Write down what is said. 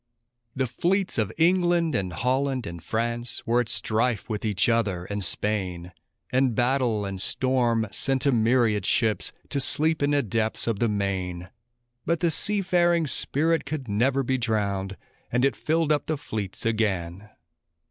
The fleets of England and Holland and France were at strife with each other and Spain; And battle and storm sent a myriad ships to sleep in the depths of the main; But the seafaring spirit could never be drowned, and it filled up the fleets again.